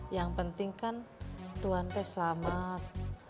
yang penting kan tuhan tuh selamat